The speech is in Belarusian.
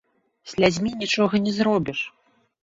Слязьмі нічога не зробіш.